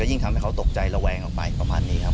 ยิ่งทำให้เขาตกใจระแวงออกไปประมาณนี้ครับ